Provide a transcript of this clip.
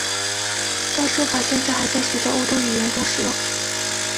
该说法现在还在许多欧洲语言中使用。